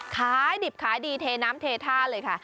ขายดิบขายดีเทน้ำเทท่าเลยค่ะ